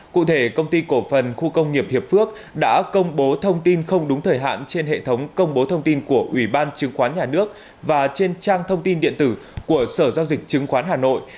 cụ thể công ty cổ phần khu công nghiệp hiệp phước đã công bố thông tin không đúng thời hạn trên hệ thống công bố thông tin của ủy ban chứng khoán nhà nước và trên trang thông tin điện tử của sở giao dịch chứng khoán hà nội